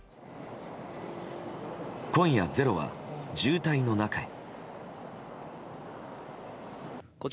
今夜「ｚｅｒｏ」は渋滞の中へ。